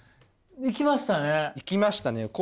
いきましたね。